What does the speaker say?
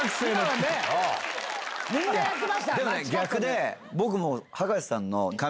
でもね逆で僕も。